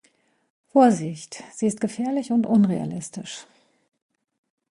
Vorsicht, sie ist gefährlich und unrealistisch.